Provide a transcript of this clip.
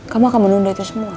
kamu akan menunda itu semua